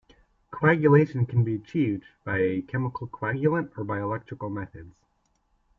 Coagulation can be achieved by a chemical coagulant or by electrical methods.